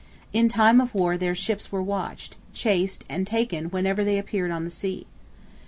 In time of war their ships were watched, chased and taken whenever they appeared on the sea.